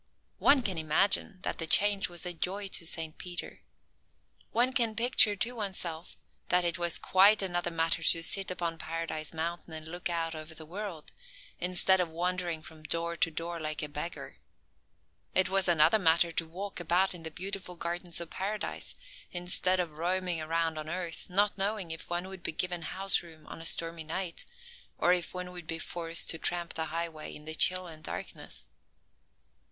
One can imagine that the change was a joy to Saint Peter! One can picture to oneself that it was quite another matter to sit upon Paradise Mountain and look out over the world, instead of wandering from door to door, like a beggar. It was another matter to walk about in the beautiful gardens of Paradise, instead of roaming around on earth, not knowing if one would be given house room on a stormy night, or if one would be forced to tramp the highway in the chill and darkness.